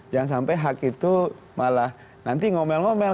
jangan sampai hak itu malah nanti ngomel ngomel